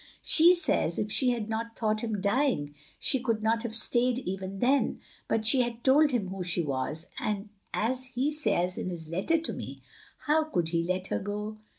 " She says if she had not thought him dying she could not have stayed even then; but she had told him who she was, and, as he says in his letter to me — how could he let her go?"